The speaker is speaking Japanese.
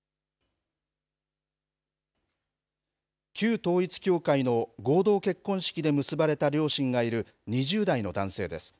旧統一協会の合同結婚式で結ばれた両親がいる２０代の男性です。